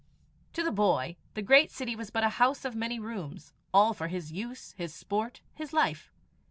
To the boy the great city was but a house of many rooms, all for his use, his sport, his life.